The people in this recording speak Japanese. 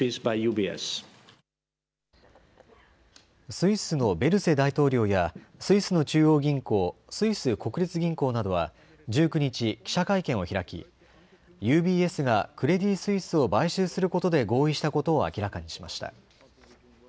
スイスのベルセ大統領やスイスの中央銀行、スイス国立銀行などは１９日記者会見を開きＵＢＳがクレディ・スイスを買収することで合意したことを明らかにしました。